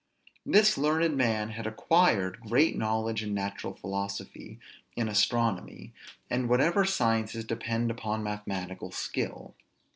This learned man had acquired great knowledge in natural philosophy, in astronomy, and whatever sciences depend upon mathematical skill.